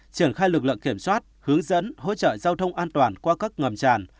triển khai lực lượng kiểm soát hướng dẫn hỗ trợ giao thông an toàn qua các ngầm tràn